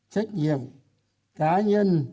trách nhiệm cá nhân